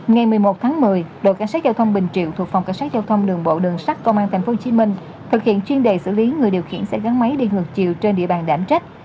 ngày một mươi một tháng một mươi đội cảnh sát giao thông bình triệu thuộc phòng cảnh sát giao thông đường bộ đường sắt công an tp hcm thực hiện chuyên đề xử lý người điều khiển xe gắn máy đi ngược chiều trên địa bàn đảm trách